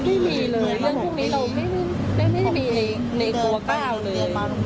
ไม่มีเลยเรื่องพวกนี้เราไม่มีในตัวก้าวเลย